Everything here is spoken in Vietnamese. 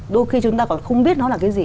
đôi khi chúng ta còn không biết nó là cái gì